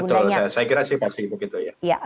betul saya kira sih pasti begitu ya